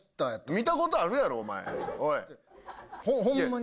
見たことあるやろお前、ほんまに。